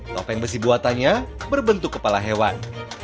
topeng besi buatannya berbentuk kepala hewan